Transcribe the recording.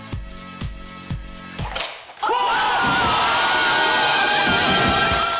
うわ！！